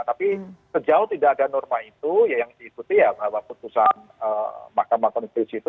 tapi sejauh tidak ada norma itu yang diikuti ya bahwa putusan mahkamah konstitusi itu